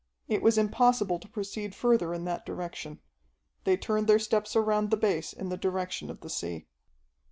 It was impossible to proceed further in that direction. They turned their steps around the base in the direction of the sea.